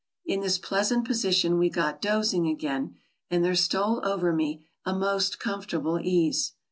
In this pleasant position we got dozing again, and there stole over me a most comfortable ease.